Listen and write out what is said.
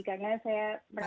karena saya merasa